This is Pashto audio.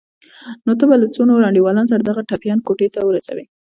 نو ته به له څو نورو انډيوالانو سره دغه ټپيان کوټې ته ورسوې.